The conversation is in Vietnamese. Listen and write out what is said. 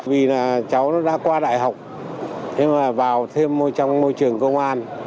vì là cháu nó đã qua đại học nhưng mà vào thêm trong môi trường công an